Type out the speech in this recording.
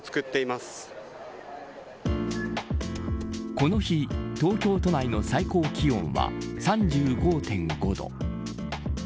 この日東京都内の最高気温は３５．５度。